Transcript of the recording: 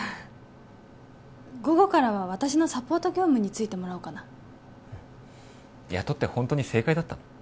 午後からは私のサポート業務についてもらおうかなうん雇ってホントに正解だったの？